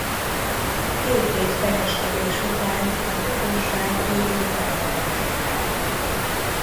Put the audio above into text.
Hét év pereskedés után a bíróság végül felmentette.